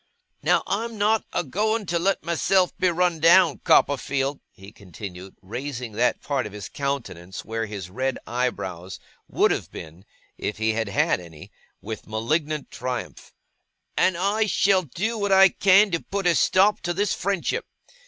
'Now, I'm not a going to let myself be run down, Copperfield,' he continued, raising that part of his countenance, where his red eyebrows would have been if he had had any, with malignant triumph, 'and I shall do what I can to put a stop to this friendship.